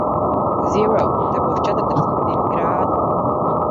Zero! Te būs četrdesmit divi grādi.